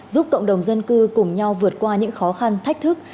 giúp cộng đồng dân cư cùng nhau vượt qua những khó khăn thách thức